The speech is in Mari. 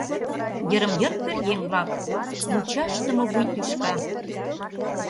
Йырым-йыр пӧръеҥ-влак, мучашдыме вуй тӱшка.